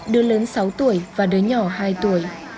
đứa lớn sáu tuổi và đứa nhỏ hai tuổi